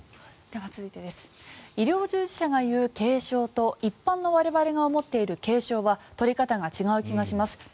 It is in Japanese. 続いて医療従事者が言う軽症と一般の我々が思っている軽症は取り方が違う気がします。